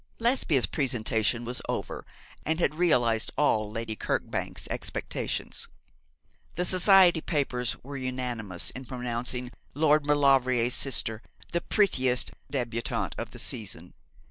Lesbia's presentation was over, and had realised all Lady Kirkbank's expectations. The Society papers were unanimous in pronouncing Lord Maulevrier's sister the prettiest débutante of the season.